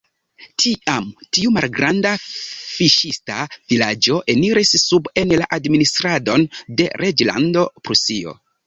Tiam tiu malgranda fiŝista vilaĝo eniris sub en la administradon de Reĝlando Prusio.